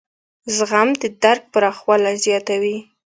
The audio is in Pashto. زغم د درک پراخوالی زیاتوي.